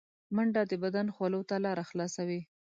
منډه د بدن خولو ته لاره خلاصوي